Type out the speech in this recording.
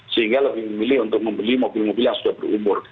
sehingga lebih memilih untuk membeli mobil mobil yang sudah berumur